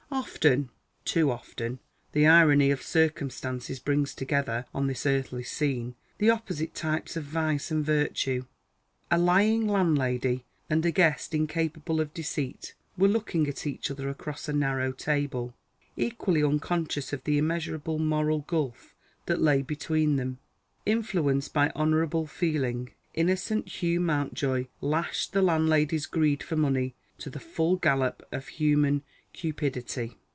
Often, too often, the irony of circumstances brings together, on this earthly scene, the opposite types of vice and virtue. A lying landlady and a guest incapable of deceit were looking at each other across a narrow table; equally unconscious of the immeasurable moral gulf that lay between them, Influenced by honourable feeling, innocent Hugh Mountjoy lashed the landlady's greed for money to the full gallop of human cupidity.